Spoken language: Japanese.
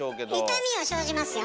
痛みは生じますよ。